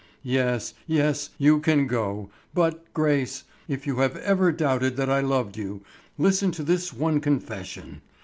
Yes, yes, you can go; but, Grace, if you have ever doubted that I loved you, listen to this one confession.